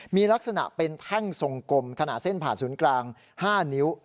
มีลักษณะเป็นแท่งทรงกลมขนาดเส้นผ่านศูนย์กลาง๕นิ้ว